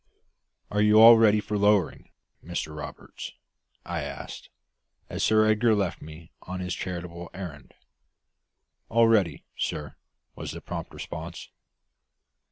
"Are you all ready for lowering, Mr Roberts?" I asked, as Sir Edgar left me on his charitable errand. "All ready, sir," was the prompt response.